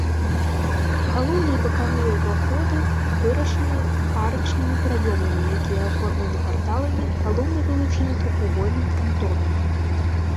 Галоўны і бакавыя ўваходы вырашаны арачнымі праёмамі, якія аформлены парталамі, галоўны вылучаны трохвугольным франтонам.